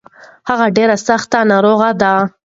هغه ډير سځت ناروغه دی.